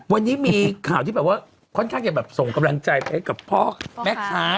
วันนี้มีข่าวที่แบบว่าค่อนข้างจะแบบส่งกำลังใจไปให้กับพ่อแม่ค้า